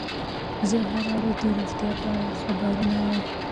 زه هره ورځ د روغتیا په اړه خبرونه اورم.